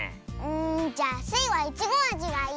んじゃあスイはイチゴあじがいい！